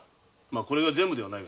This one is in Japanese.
これが全部ではないが。